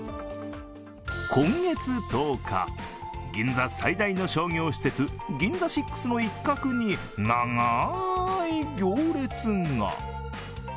今月１０日、銀座最大の商業施設ＧＩＮＺＡＳＩＸの一角に長い行列が。